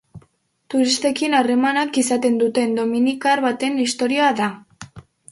Turistekin harremanak izaten dituen dominikar baten istorioa da.